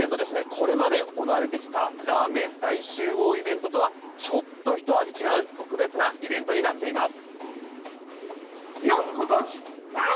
これまで行われてきたラーメン大集合イベントとはちょっと一味違う特別なイベントになっています。